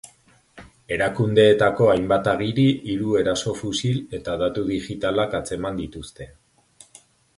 Erakundeetako hainbat agiri, hiru eraso-fusil eta datu digitalak atzeman dituzte.